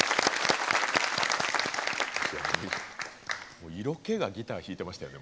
もう色気がギターを弾いてましたよ。